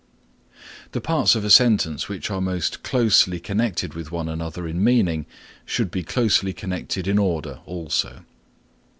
The parts of a sentence which are most closely connected with one another in meaning should be closely connected in order also.